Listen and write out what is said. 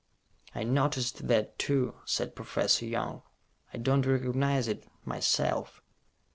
"I noticed that, too," said Professor Young. "I don't recognize it, myself."